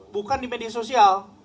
bukan di media sosial